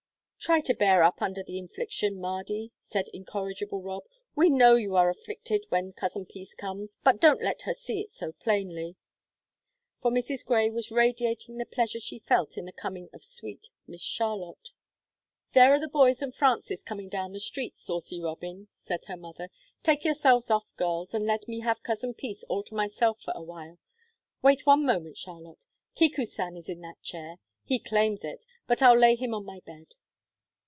"Try to bear up under the infliction, Mardy," said incorrigible Rob. "We know you are afflicted when Cousin Peace comes, but don't let her see it so plainly." For Mrs. Grey was radiating the pleasure she felt in the coming of sweet Miss Charlotte. "There are the boys and Frances coming down the street, saucy Robin," said her mother. "Take yourselves off, girls, and let me have Cousin Peace all to myself for a while. Wait one moment, Charlotte; Kiku san is in that chair he claims it but I'll lay him on my bed."